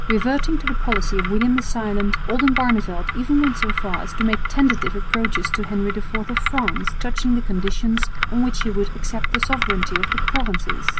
Reverting to the policy of William the Silent, Oldenbarneveldt even went so far as to make tentative approaches to Henry IV of France touching the conditions on which he would accept the sovereignty of the Provinces.